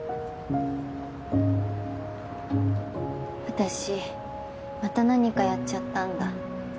私また何かやっちゃったんだ。